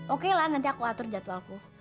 oke lah nanti aku atur jadwalku